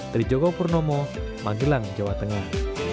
dari jogo purnomo magelang jawa tengah